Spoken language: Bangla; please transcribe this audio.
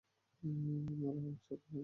মারা, আমার সাথে আয়।